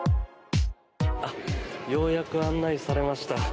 ようやく案内されました。